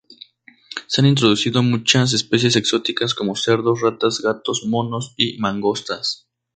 Se han introducido muchas especies exóticas, como cerdos, ratas, gatos monos y mangostas.